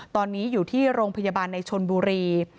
ตอนนี้อยู่ที่โรงพยาบาลในชนบุรี